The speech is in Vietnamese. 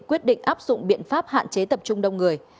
quyết định áp dụng biện pháp hạn chế tập trung đông người